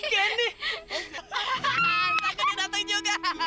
hahaha sangka dia datang juga